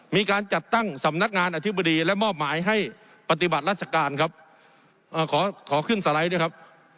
มีการจัดตั้งสำนักงานอธิบดีและมอบหมายให้ปฏิบัติราชการครับขอขอขึ้นสไลด์ด้วยครับ